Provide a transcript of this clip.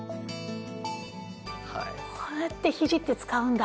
こうやってひじって使うんだ。